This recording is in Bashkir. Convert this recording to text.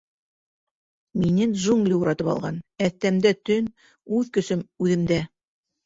Мине джунгли уратып алған, әҫтәмдә — төн, үҙ көсөм — үҙемдә.